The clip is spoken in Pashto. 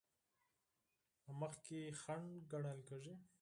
په مخ کې خنډ ګڼل کیږي.